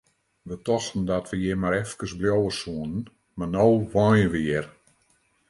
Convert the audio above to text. Wy tochten dat we hjir mar efkes bliuwe soene, mar no wenje we hjir!